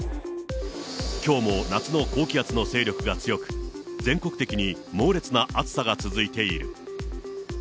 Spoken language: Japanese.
きょうも夏の高気圧の勢力が強く、全国的に猛烈な暑さが続いている。